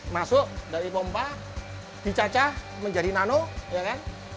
masuk dari pompa dicacah menjadi nano ya kan